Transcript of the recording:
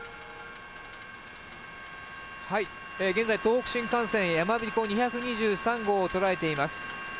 現在、東北新幹線やまびこ２２３号を捉えています。